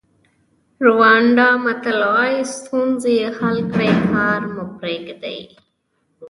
ریوانډا متل وایي ستونزې حل کړئ کار مه پریږدئ.